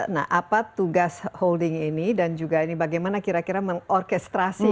nah apa tugas holding ini dan juga ini bagaimana kira kira mengorkestrasi